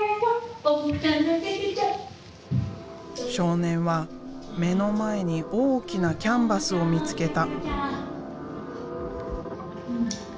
少年は目の前に大きなキャンバスを見つけた。